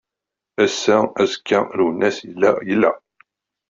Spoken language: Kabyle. Ass-a, azekka Lwennas yella yella.